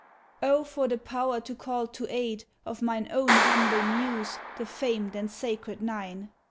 Oh, for the power to call to aid, of mine Own humble Muse, the famed and sacred nine.